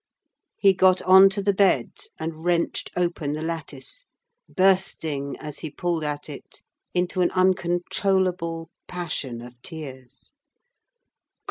He got on to the bed, and wrenched open the lattice, bursting, as he pulled at it, into an uncontrollable passion of tears.